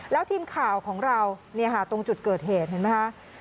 แล้วทีมข่าวของเราตรงจุดเกิดเหตุเห็นไหมคะ